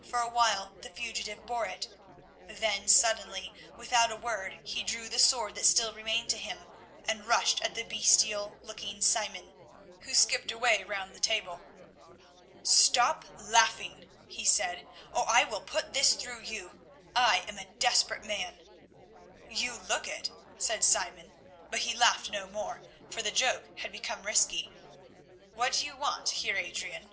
For a while the fugitive bore it, then suddenly, without a word, he drew the sword that still remained to him and rushed at the bestial looking Simon, who skipped away round the table. "Stop laughing," he said, "or I will put this through you. I am a desperate man." "You look it," said Simon, but he laughed no more, for the joke had become risky. "What do you want, Heer Adrian?"